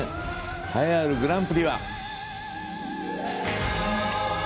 栄えあるグランプリは。